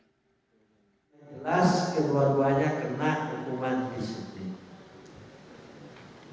jelas kedua duanya kena hukuman disiplin